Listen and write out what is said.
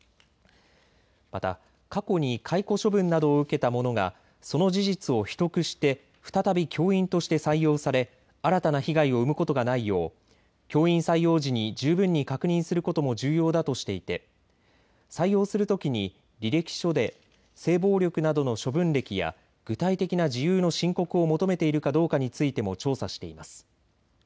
また過去に解雇処分などを受けた者がその事実を秘匿して再び教員として採用され新たな被害を生むことがないよう教員採用時に十分に確認することも重要だとしていて採用するときに履歴書で性暴力などの処分歴や具体的な事由の申告を求めているかどうかについても調査しています。